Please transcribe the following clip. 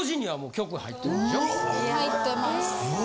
入ってます。